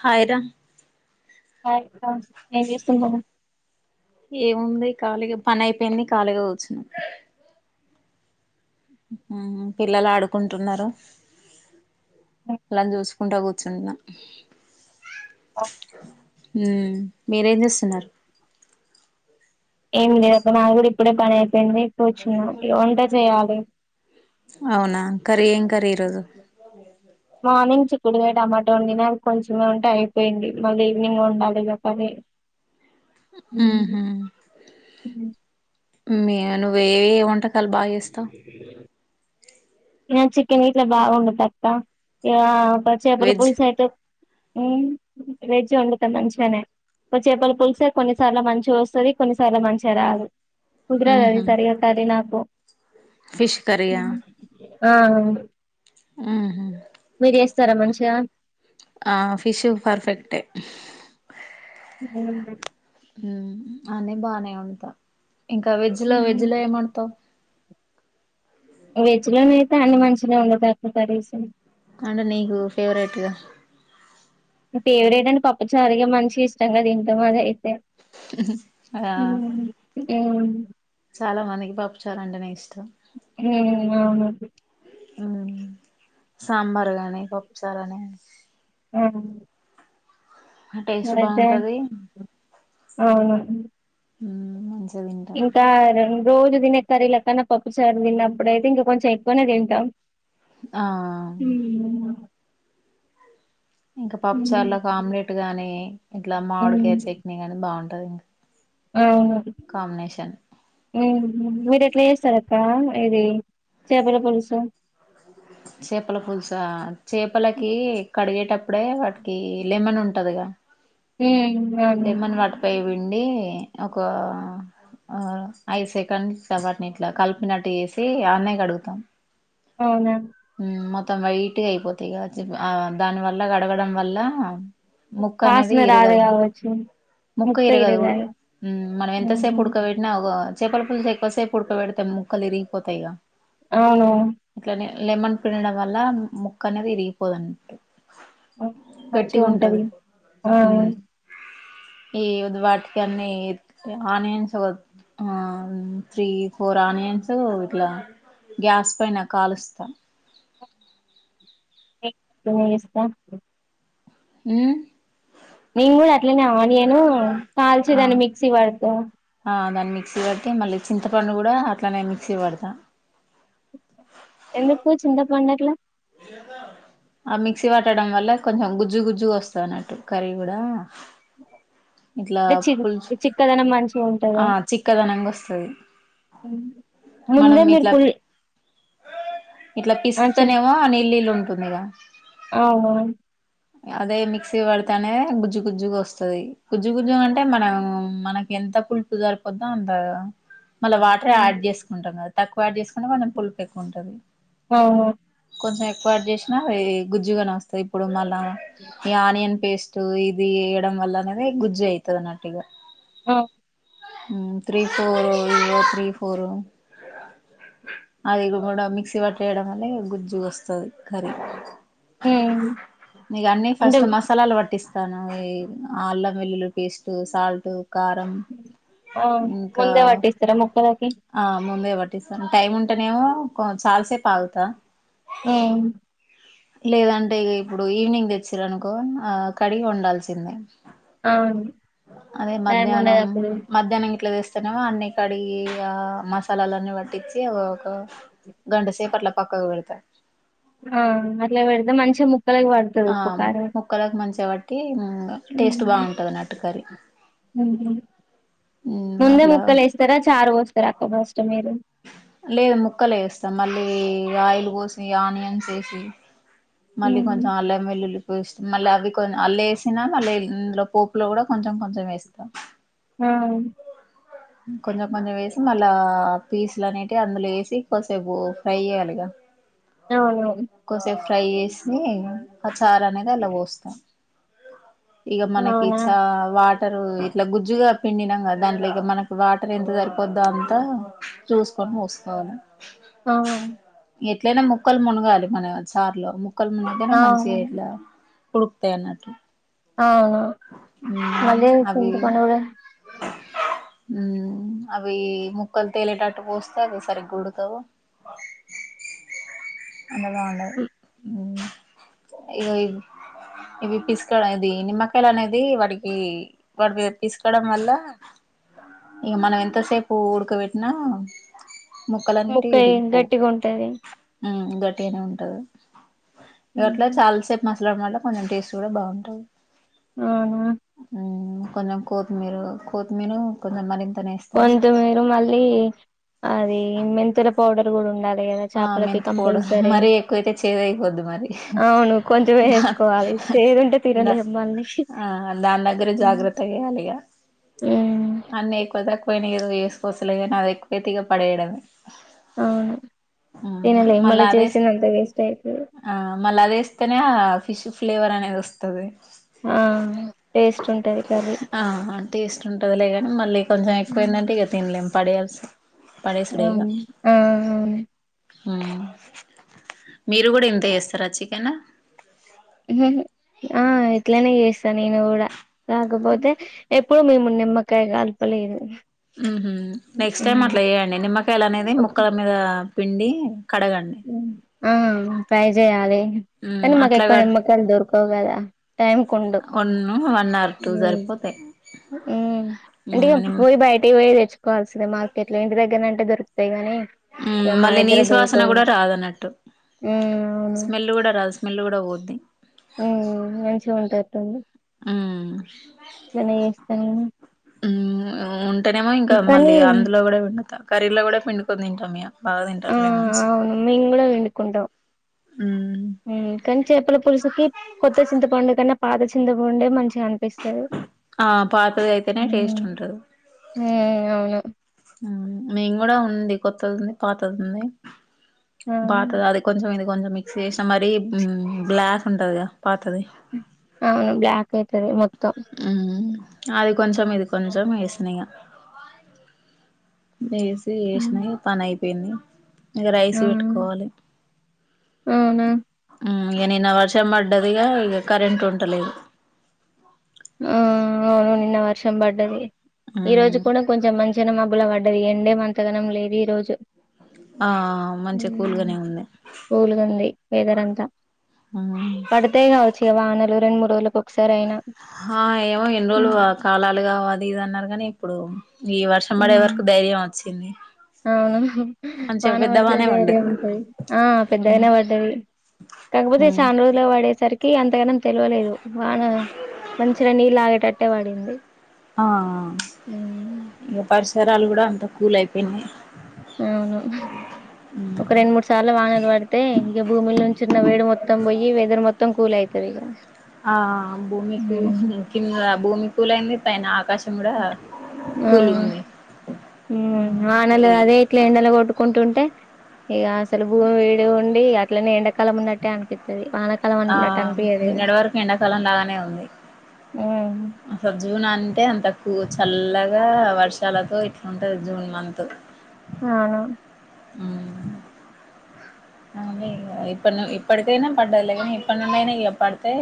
Hi రా hi అక్క ఎమ్ జేస్తున్నవ్ ఏముంది ఖాళీగా పనైపేయింది ఖాళీగా ఊచ్చునమ్ ఉహుమ్ పిల్లలాడుకుంటున్నరు అలాన్ జుసుకుంటా ఊచ్చునా ఉమ్ మీరేం జేస్తున్నరు ఏమ్ లేదు అక్క నాదీ గూడా ఇప్పుడే పనై ఔనా కర్రీ ఏం కర్రీ ఈరోజు మామేసై మాన్నింగ్ చీక్కుగయ్ టమాట వొండినా అద్ కొంచమే ఉంటే ఐపెంది మళ్ళీ ఈవినింగ్ వొండాలి ఇగ కర్రీ ఉమ్ మీ అను వేవేయో వంటకాలు బాగా ఏస్తవ్ నేన్ చికెన్ ఇట్లా బా వొండుతా అక్క ఇగ పచ్ చేపల్ వెజ్ పుల్సు ఐతే నేన్ వెజ్ వొండుత మంచ్ గనే పచ్ చేపల్ పుల్సే కొన్నిసార్ల మంచిగోస్తది కొన్నిసార్ల మంచిగా రాదు కుదరది అది ఉహు సరిగా సరి నాకు ఫిష్ కర్రీయా ఆ ఔను ఊహుమ్ సరే మంచిగా ఆ ఫిషు ఫర్ ఫెక్టే ఉహుమ్ ఉమ్ ఆనే బానే వొంట ఇంకా వెజ్ లో వెజ్ లో ఏమొన్ తవ్ వెజ్ లో నైయితే అన్ని మంచిగనే వొండుతాక్క కర్రీస్సు అంటే నీకు ఫేవరెటు గా పేవరేట్ అంటే పప్పుచారు ఇగ మంచి ఇష్టంగ దింటం అదైతే ఉహు ఆ ఉమ్ ఉమ్ చాలా మందికి పప్పు చారంటేనే ఇష్టం ఔను ఆ సాంబార్ గానీ పప్పు చార్ అని ఆహ్ టేస్టు బాఉంటది ఔను ఊహుమ్ చ్ ఇంకా ఆరోన్ రోజు దినే కర్రీలా కన్నా పప్పుచార్ దిన్నప్పుడైయితే ఇంగ కొంచె ఎక్కునే దింటాం ఆ ఇంకా ఉమ్, పప్పుచార్ల ఆమ్లెట్ గానీ ఇట్లా మావుడుకాయ్ చట్నీ గానీ బాఉంటది ఔను ఉహుమ్ మీర్ ఎట్లా యేస్తరక్క ఆ ఇది చేపల పుల్సు చేపల పుల్సా ఆ చేపలకి కడిగేటప్పుడే వాటికి లెమన్ ఉంటదిగా హేఐనేన్ రాను అండి ఒక అ ఐదు సెకండ్ చబటిని ఇట్లా కలిపినట్టు చేేసి అన్నయ్యకి అడుగుతాం అవునా మొత్తం వైట్గా అయిపోతాయి గావచ్చు ఇగ ఆ దాని వల్ల గడగడం వల్ల ముక్క అనేది వాసన రాదు ఇరుగదు కావచ్చు ముక్క ఇరగదు ఉమ్ మనం ఉహు ఎంతసేపు ఉడకబెట్టినా చేపలు పుల్స ఎక్వసేపు ఉడకబెడతము ముక్కలు విరిగిపోతాయి ఇగ అవును లెమన్ పినడం వల్ల ముక్క అనేది విరిగిపోదం గట్టిగా ఉంటది ఆ మ్ ఈ ఒద్దు వాటకన్ని ఆనియన్స్ వొద్ ఆ మ్ త్రీ ఫోర్ ఆనియన్స్ ఇట్లా గ్యాస్ పైన కాలుస్ తాం ఏ రూమిలిస్తా మ్ నేను గుడా అట్లానే ఆనియను కాల్చి ఆ దాన్ని మిక్సీ పడాత ఆ దాన్ని మిక్సీ పట్టి మళ్ళీ చింతపండు గుడా అట్లానే మిక్సీ వడతా వండట్లే ఆ మిక్సీ వట్టడం వల్ల కొంచెం గుజ్జు గుజ్జుగా వస్తాదన్నట్టు కర్రీ గుడా [unintelligible] ఇట్లా అంటే చి పులుచు చిక్కదనం మంచిగా ఉంటదా ఆ చిక్కదనంగా వస్తాది ముందే మీరు పులి ఇట్లా పిస్కుతానేమో నీళ్లు నీళ్లు ఉంటుందిగా ఓహో అదే మిక్సీ వడతనే గుజ్జు గుజ్జుగా వస్తాది గుజ్జుగుజ్జు అంటే మనం మనకి ఎంత పులుపు సరిపోదో అంతా మళ్ళా వాటర్ యాడ్ చేసుకుంటాం కదా తక్కువ యాడ్ చే [unintelligible] పులుపు ఎక్కువ ఉంటాది అవును కొంచెం ఎ పాడుచేసినా వే గుజ్జుగాని వస్తాయి ఇప్పుడు నళ్ళా ఈ ఆనియన్ పేస్ట్ టు ఇది ఏయడం వల్ల అనేది గుజ్జు ఐతాదన్నట్టుగా ఆ ఊమ్ త్రీ ఫోరు [unintelligible] త్రీ ఫోరు అది గుడా మిక్సీ పట్టేయడం వల్లే గుజ్జుగా వస్తాది కర్రీ ఊమ్ ఇగ అన్నీ ఫస్ట్ మసాలాలు పట్టిస్తాను ఈ అల్లం వెల్లులు పేస్టు సాల్టు కారం ఆ ఇంకా ముందే పట్టిస్తారా ముక్కలకి ఆ ముందే పట్ పట్టిస్తాను టైమ్ ఉంటేనేమో కో చాలాసేపు ఆగుతా ఉమ్ లేదంటే ఇగ ఇప్పుడు ఈవినింగ్ తెచ్చిరు అనుకో ఆ కడిగి వండాల్సిందే అవును అదే టైం మధ్యాహ్నం ఉండదు అప్పుడు మధ్యాహ్నం ఇట్లాతేస్ [unintelligible] నేమో అన్నీ కడిగి ఆ మసాలాలన్నీ పట్టించి ఒక గంటసేపట్లా పక్కకు పెడాతా ఆ అట్లా పెడితే మంచి ముక్కలకి పడతాది ఆ ఉప్పుకారం ముక్కలకు మంచిగా పట్టి టేస్ట్ [unintelligible] బాగుంటది అన్నట్టు కర్రీ ముందే అట్లా ముక్కలు ఏస్తారా చారు పోస్తారా అక్కబస్త లేదు ముక్కలు ఏస్తాం మళ్ళీ ఆయిల్ కోసి ఆనియన్స్ ఏసి మళ్ళీ కొంచెం అల్లం వెల్లులు బేస్ట్ మళ్ళా అవి కొని అలేసినా మళ్ళీ ఇందులో పోపులో కూడా కొంచెం కొంచెం వేస్తాం. ఉమ్. కొంచెం కొంచెం వేసి మళ్ళా పీస్లు అనేటివి అందులో ఏసి కొసేపు ఫ్రై చేయ్యాలిగా. అవును కొసేపు ఫ్రై చేసి ఆ చారు అనేది అండ్ల పోస్తాం. ఇక మనకి అవునా చా వాటరు ఇట్లా గుజ్జుగా పిండినాం కదా దాంట్లో ఇక మన. వాటర్ ఎంత సరిపోద్దో అంతా చూసుకొని పోసుకోవాలి. అవును ఎట్లైనా ముక్కలు మూనగాలి మన చార్లో ముక్కలు మూనిగితేనే మంచిగా ఇట్లా. ఉడుకుతాయన్నట్టు. అవునా మళ్ళీ అవి చింతపండు కూడాన. ఉమ్ అవి ముక్కలు తేలేటట్టు పోస్తే అవి సరిగ్గా ఉడకదు. [unintelligible] అందులో బాగుండదు ఉమ్ ఇగో ఇవి. ఇవి పిసాకడం ఇది నిమ్మకాయలు అనేది వాటికి వాటి మీద పిసాకడం వల్ల. ఇక మనం ఎంతసేపు ఉడకబెట్టినా. ముక్కలంటే ముక్క ఇరిగిపోవు గట్టిగా ఉంటది ఉమ్ గట్. టేనే ఉంటది రోట్లో చాలాసేపు మసాలడం వల్ల కొంచెం టేస్ట్ కూడా బాగుంటది. అవునా. ఉమ్ కొంచెం కొత్తిమీరు కొత్తిమీరు కొంచెం మరింత. కొతిమిర మళ్ళీ అది మెంతుల పౌడర్ కూడా ఉండాలి. కదా ఆహ్ చేపలకి మెంతి పౌడర్ కంపల్సరీ మరీ ఎక్కువైతే చేదు అయిపోద్దీ మరి. అవును కొంచెం వేసుకోవాలి చేదుంటే దా తినలేము మళ్ళీ ఆహ్ దాని దగ్గర ఉమ్ జాగ్రత్త వెయ్యాలి గా. అన్నీ ఎక్కువ తక్కువ అయినవి ఏదో చేసుకోవచ్చులే కానీ అది ఎక్కువైతేగా పడేయడమే. అవును ఉమ్ తినలే మళ్ళ మళ్ళా అదేస్ చేసింది అంత వేస్ట్ అయితుంది. ఇక్కనే ఆహ్ ఫిష్ ఫ్లేవర్ అనేది వస్తది. ఆహ్ ఏ. ఆహ్ టేస్ట్ ఉంటదిలేగాని మళ్ళీ కొంచెం ఎక్కువైందంటే ఇక తినలేము. పడేయల్సి. ఉమ్ ఆహ్. ఉమ్ మీరు కూడా ఇంతే చేస్తారా చికెన్. నేను ఆహ్ ఇట్లనే చేస్తా నేను కూడా రాకపోతే ఎప్. ఇప్పుడు మేము నిమ్మకాయ కలపలేదు. ఉహూ నెక్స్ట్ టైమ్ ఉమ్. అట్లా చేయండి నిమ్మకాయలు అనేది ముక్కల మీద పిండి. కడగండి ఆహ్ ట్రై చేయాలి మ్మ్ కానీ మాకు అట్లా ఎక్కువ కడు నిమ్మకాయలు దొరుకు. దొరకదు కదా టైమ్ కు ఉండావు. వన్ వన్ ఆర్ టూ సరిపోతాయి ఉమ్ అంటే ఇగ మ్మ్ నిమ్ పోయి బయటికి పోయి తేచ్. కావాల్సినవి మార్కెట్ లో ఇంటి దగ్గరుంటే దొరుకుతాయి కానీ. ఉమ్ మళ్ళీ నీస్ వాసన కూడా రాదు. కాదన్నట్టు ఉమ్ స్మెల్ కూడా రాదు స్మెల్ కూడా పోద్ది. ఉమ్ మంచిగుండెటట్టుంది. ఉమ్. వినే చేస్తాను. ఉమ్ ఉంటేనేమో ఇంకా మళ్ళీ అందులో కూడా పిడుతాం కర్రీలో కూడా పిండుకొని తింటాం ఇగ. బాగా ఆ తింటారులే మనసు. అవును మేము కూడా పిండుకుంటాం కానీ చేపల పులుసుకి కొత్త చింతపండుకన్నా. పాత చింతపండే మంచిగానిపిస్తది. ఆ పాతది అయితేనే టేస్ట్ ఉంటది అవును మేము కూడా ఉంది కొత్తది ఉంది పాతదుంది ఆ పాతదది కొంచెం ఇ కొంచెం మిక్స్ చేసిన మరి బ్లాక్ ఉంటది కదా పాతది అవును బ్లాక్ అయితది మొత్ అది కొంచం ఇది కొంచం వేసినగా వేసి వేసినావి పనయిపోయింది ఇంగ రైస్ ఆ పెట్టుకోవాలి అవునా ఇంగ నిన్న వర్షం పడ్డదిగా ఇగ కరెంట్ ఉంటలేదు ఆ అవును నిన్న వర్షం పడ్డది ఈ రోజు కూడా కొంచెం మంచి జన మబ్బులా పడ్డది ఎండే మంతగనం లేదు ఈ రోజు ఆ మంచి కూల్గానే ఉంది ఓలుగుంది వేదరంతా పడితే కావచ్చు ఇగ వానలు రెండు మూడు రోజులకు ఒకసారి అయినా ఆ ఏమో ఎన్ని ఉ రోజులు కాలాలుగా అది ఇది అన్నారు కానీ ఇప్పుడు ఈ వర్షం పడే వరకు ఉ ధైర్యం వచ్చింది అవును మంచిగా వాన పడితే పెద్దవానే ధైర్యం పడ్డది ఉంటది ఆ పెద్దగనే పడ్డది కాకపోతే చాన్ రోజులకు వడేసరి కి అంతగానం తెలువలేదు వాన మంచినె నీళ్ళు ఆగేటట్టే పడింది ఆ హ్మ్. ఇంకా పరిసరాలు కూడా అంత కూల్ అయిపోయినయ్ అవును ఒక రెండు మూడు సార్లు వానలు పడితే ఇగ భూమిల నుంచిన్న వేడు మొత్తం పోయి ఈ వెదర్ మొత్తం కూల్ అయితది గ ఆ భూమికు కింద భూమి పూలయింది పైన ఆకాశ కూడా కూల్గుంది ఆనలు అదే ఇట్లా ఎండలు కొట్టుకుంటుంటే ఇగ అసలు భూమి వీడి ఉండి అట్లనే ఎండకాలం ఉన్నట్టే అనిపిస్తుంది ఆ నిన్నటి వరకు ఎండకాలం లాగానే ఉంది అసలు జీవన అంటే అంత కు చల్లగా వర్షాలతో ఇట్ల ఉంటది జూన్ మంత్ ఆ ఊ ఇప్పు ఇప్పడికైనా పడ్డయి లె గని ఇప్పడినుండి ఐన ఇయ పడితే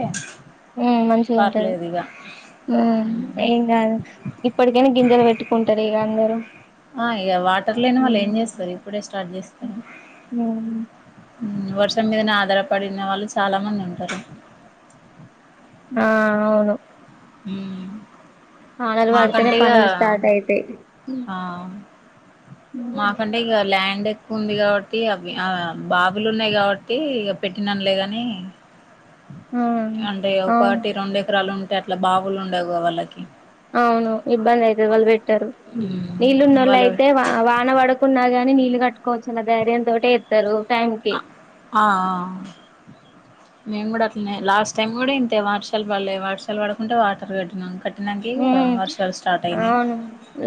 ఉ మంచిగుంటది పర్లేదు ఇక ఉ ఏం కాదు ఇప్పటికైనా గింజలు పెట్టుకుంటరు ఇగ అందరూ ఆ ఇగ వాటర్ లేని వాళ్ళు ఏం చేస్తారు ఇప్పుడే స్టార్ట్ చేస్తరు ఉమ్ వర్షం మీదనే ఆధారపడిన వాళ్ళు చాలా మంది ఉంటారు ఆ అవును ఉ వానలు పడితేనే మాకంటెగా పనులు స్టార్ట్ అయితాయి ఆ మాకంటె ఇగ ల్యాండ్ ఎక్కువ ఉంది కాబట్టి అవి ఆ బాబులు ఉన్నాయి కాబట్టి ఇక పెట్టిననులే గాని ఆ అంటే ఆ ఒకటి రెండు ఎకరాలు ఉంటే అట్లా బావులు ఉండవుగా వాళ్ళకి అవును ఇబ్బందయితది వల్ బెట్ టరు వాళ్ళు నీళ్ళునొల్లైతే వాన పడకున్నా గాని నీ ఇల్లు కట్టుకోవచ్చు అన్న ధైర్యయంతోటేస్తారు ఆ నేను కూడా అట్ టై లాస్ట్ టైం కూడా ఇంతే వర్షాలు పడలేదు వర్షాలు పడుకుంటే వాటర్ కట్టినా క ఉమ్ అవును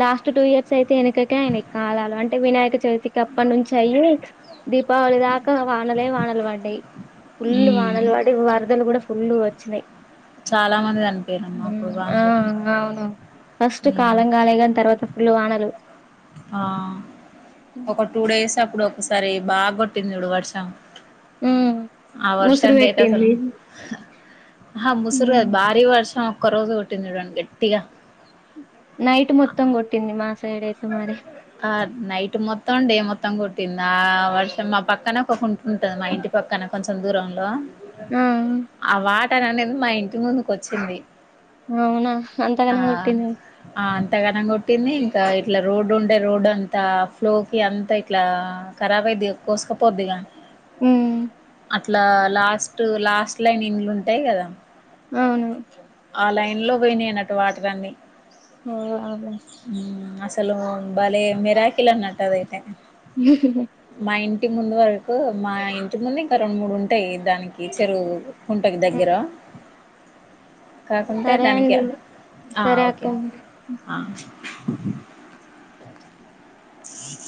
లాస్ట్ టూ ఇయర్స్ అయితే వెనకకే ఆయన కాలాలు అంటే వినాయక చవితికి అప్పటి నుంచి అయ్యి దీపావళి దాకా వానలే వానలు పడాయి ఫుల్ ఉమ్ వానలు పడి వరదలు కూడా ఫుల్ వచ్చినాయి చాలా మంది చనిపోయారుమ్మా అప్పుడు ఆ వానలకీ అవును ఫస్ట్ కాలం కాలే కాని తర్వాత ఫులు వానలు ఆ ఒక టూ డేస్ అప్పుడు ఒకసారి బాగా కొట్టింది చూడు వర్షం ఆ ఆ ముసురు వర్షానికి అయితే అసలు పెట్టింది ఆ ముసురుగాదు భారీ వర్షం ఒక్క రోజు కొట్టింది చూడండి గట్టిగా నైట్ మొత్తం కొటింది మా సైడ్ అయి ఆ నైట్ మొత్తం డే మొత్తం కూ తింద ఆ వర్షం మా పక్కన ఒకంట ఉంటుంది మా ఇంటి పక్కన కొంచెం దూరంలో ఆ తనీ అనేది మా ఇంటి ముందుకు వచ్చింది అవునా అంత ఆ గణం కొట్టింది ఆ అంతగనం కొట్టింది ఇంకా ఇట్లా రోడ్డు ఉండే రోడ్డు అంతా ఫ్లోకి అంతా ఇట్లా కర్బ్ అయిది కోసుకపోద్దిగా ఉమ్ ఇట్లా లాస్ట్ లాస్ట్ లైన్ ఇల్లు ఉంటాయి కదా అవును ఆ లైన్ లో పోయినాయిన్నట్టు వాటరన్ని అవునా ట్ల భలే మిరాకిల్ అన్నట్టే పోయినాయి ఇంటి ముందు వరకు మా ఇంటి ముందు ఇంకా రెండు మూడు ఉంటాయి దానికి చెరువు ఉంటది దగ్గర కాకుంటే సరే దానికి అండి ఆ సరే ఓకే అక్క అక